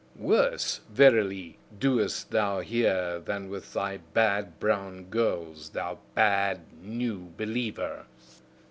Worse verily, doest thou here than with thy bad brown girls, thou bad, new believer!"